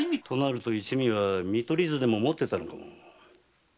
となると一味は見取り図でも持ってたのかも。